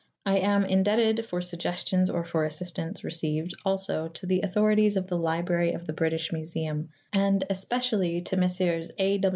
I am indebted for suggestions or for assistance received also to the authorities of the Library of the British Museum, and especially to Messrs. A.